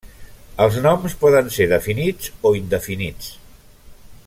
Els noms poden ser definits o indefinits.